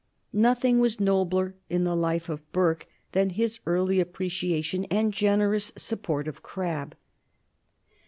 Nothing was nobler in the life of Burke than his early appreciation and generous support of Crabbe.